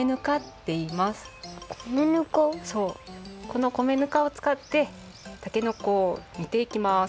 この米ぬかをつかってたけのこを煮ていきます。